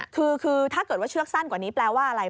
คือถ้าเกิดว่าเชือกสั้นกว่านี้แปลว่าอะไร